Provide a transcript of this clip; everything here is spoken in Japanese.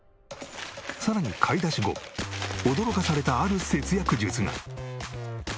さらに買い出し後驚かされたある節約術が。